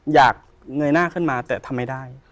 อยากเหงยหน้าขึ้นมาแต่ทำไมได้